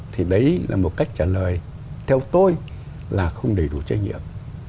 thì đấy là một cách trả lời theo tôi là không đầy đủ trách nhiệm